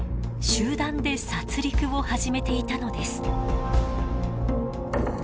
集団で殺戮を始めていたのです。